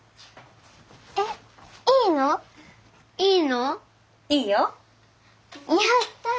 えっいいの？いいの？いいよ。やった！